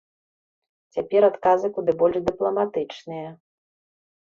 Цяпер адказы куды больш дыпламатычныя.